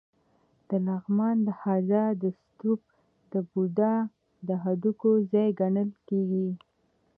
د لغمان د هده ستوپ د بودا د هډوکو ځای ګڼل کېږي